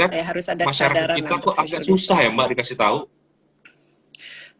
jadi harus ada kesadaran antara semua